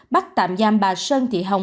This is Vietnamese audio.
bắt tạm giam bà sơn thị hồng